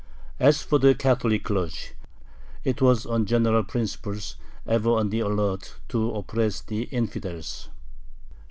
As for the Catholic clergy, it was on general principles ever on the alert to oppress the "infidels."